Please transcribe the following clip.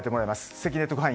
関根特派員